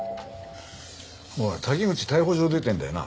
おい滝口逮捕状出てるんだよな？